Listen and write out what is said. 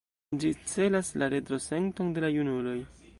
Ĝi celas la retro-senton de la junuloj.